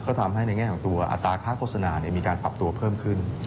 ก็ทำให้ในแง่ของตัวอัตราค่าโฆษณามีการปรับตัวเพิ่มขึ้น